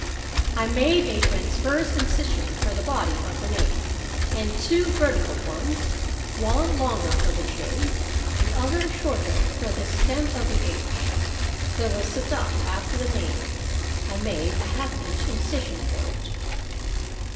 "I made a transverse incision for the body of the name, and two vertical ones one longer for the J, the other shorter, for the stem of the h. There was a dot after the name. I made a half inch incision for it."